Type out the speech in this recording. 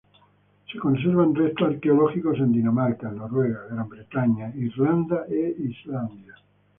Se conservan restos arqueológicos en Dinamarca, Noruega, Gran Bretaña, Irlanda e Islandia.